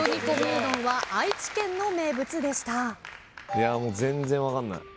いやもう全然分かんない。